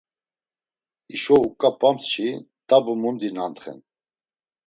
Hişo uk̆ap̆ams-çi t̆abu mundis nantxen.